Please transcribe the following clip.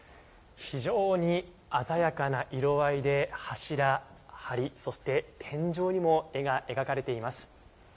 非常に鮮やかな色合いで柱、はりそして天井にも絵が描かれています。